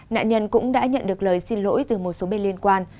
nạn nhân cũng đã nhận được lời xin lỗi từ một số bên liên quan